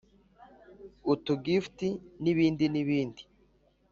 utu gifts n’ibindi n’ibindi.